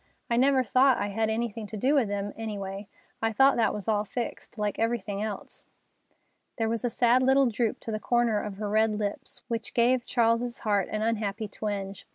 I never thought I had anything to do with them, any way. I thought that was all fixed, like everything else." There was a sad little droop to the corners of her red lips, which gave Charles's heart an unhappy twinge.